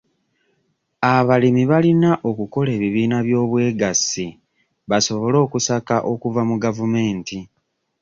Abalimi balina okukola ebibiina by'obwegassi basobole okusaka okuva mu gavumenti.